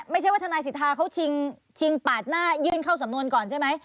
ไม่ใช่ว่าทนายสิทธาเขาชิงปาดหน้ายื่นเข้าสำนวนก่อนใช่ไหม